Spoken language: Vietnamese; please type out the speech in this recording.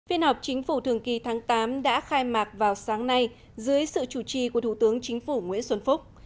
phiên họp chính phủ thường kỳ tháng tám đã khai mạc vào sáng nay dưới sự chủ trì của thủ tướng chính phủ nguyễn xuân phúc